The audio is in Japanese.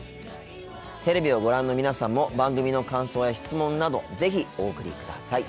テレビをご覧の皆さんも番組の感想や質問など是非お送りください。